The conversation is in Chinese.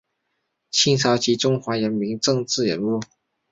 清朝及中华民国政治人物。